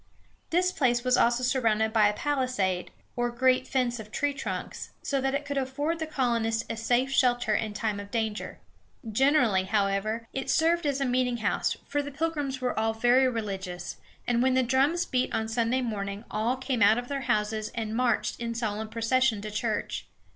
This place was also surrounded by a palisade, or great fence of tree trunks, so that it could afford the colonists a safe shelter in time of danger. Generally, however, it served as a meetinghouse, for the Pilgrims were all very religious, and when the drums beat on Sunday morning all came out of their houses and marched in solemn procession to church.